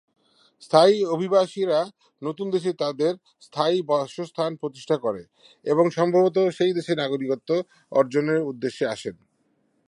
স্থায়ী অভিবাসীরা নতুন দেশে তাদের স্থায়ী বাসস্থান প্রতিষ্ঠা করা এবং সম্ভবত সেই দেশের নাগরিকত্ব অর্জনের উদ্দেশ্যে আসেন।